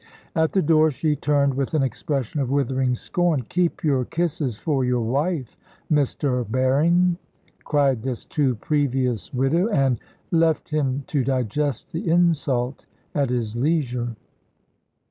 At the door she turned with an expression of withering scorn. "Keep your kisses for your wife, Mr. Berring!" cried this too previous widow, and left him to digest the insult at his leisure.